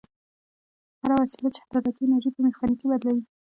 هره وسیله چې حرارتي انرژي په میخانیکي بدلوي.